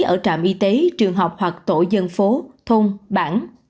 ở trạm y tế trường học hoặc tổ dân phố thôn bản